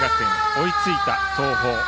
追いついた東邦。